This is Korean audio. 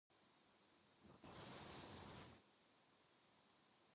강화의 이건창을 찾아서 나를 구출할 방책을 물으셨으나, 그도 역시 탄식할 뿐이었다고 한다.